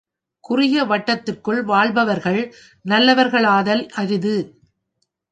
குறுகிய வட்டத்திற்குள் வாழ்பவர்கள் நல்லவர்களாதல் அரிது.